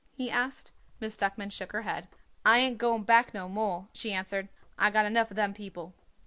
he asked. Miss Duckman shook her head. "I ain't going back no more," she answered. "I got enough of them people."